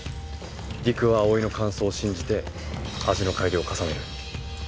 りくは葵の感想を信じて味の改良を重ねる。